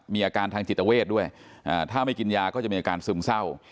มีอาการทางจิตเวทด้วยถ้าไม่กินยาก็จะมีอาการซึมเศร้า